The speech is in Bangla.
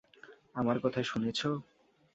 আমার কথা শুনেছো?